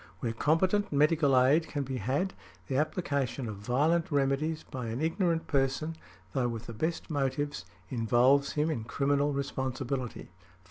Where competent medical aid can be had, the application of violent remedies by an ignorant person, though with the best motives, involves him in criminal responsibility.